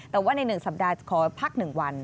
แต่ว่าใน๑สัปดาห์จะขอพัก๑วัน